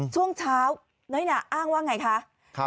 ช่วงเช้าน้อยหนาอ้างว่าอย่างไรคะ